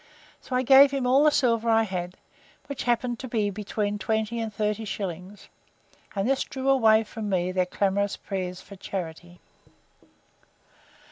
So I gave him all the silver I had, which happened to be between twenty and thirty shillings; and this drew away from me their clamorous prayers for charity.